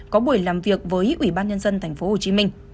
có buổi làm việc với ủy ban nhân dân tp hcm